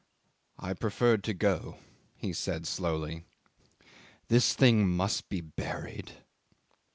"I preferred to go," he said slowly; "this thing must be buried."